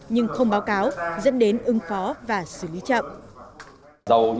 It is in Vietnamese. nhưng không báo cáo dẫn đến ứng phó và xử lý chậm